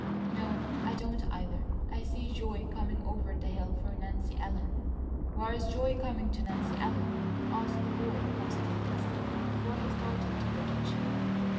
No, I don't, either! I see joy coming over the hill for Nancy Ellen." "Why is joy coming to Nancy Ellen?" asked the boy, pausing an instant before he started to the kitchen.